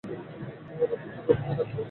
ওরা পিছু করতেই থাকবে।